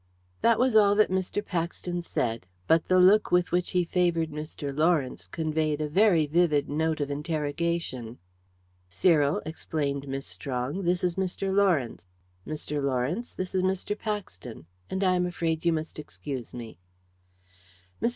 That was all that Mr. Paxton said, but the look with which he favoured Mr. Lawrence conveyed a very vivid note of interrogation. "Cyril," explained Miss Strong, "this is Mr. Lawrence. Mr. Lawrence, this is Mr. Paxton; and I am afraid you must excuse me." Mr.